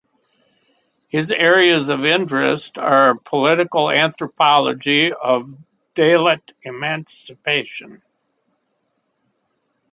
His areas of interest are political anthropology of Dalit emancipation.